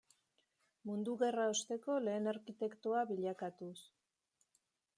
Mundu Gerra osteko lehen arkitektoa bilakatuz.